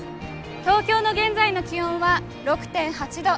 東京の現在の気温は６．８度。